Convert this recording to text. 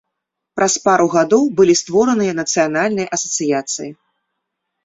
Праз пару гадоў былі створаныя нацыянальныя асацыяцыі.